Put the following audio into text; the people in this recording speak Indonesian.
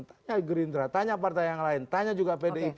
tanya gerindra tanya partai yang lain tanya juga pdip